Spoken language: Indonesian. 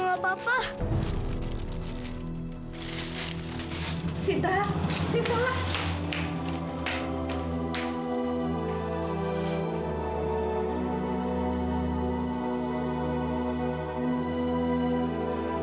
papa pun juga tidak apa apa